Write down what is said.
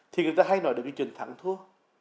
thì người ta hay nói được cái chuyện thắng thua